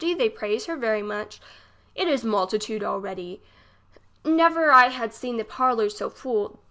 They praise her very much. It is multitude already. Never I had seen the parlour so full.